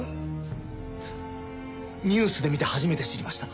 ニュースで見て初めて知りました。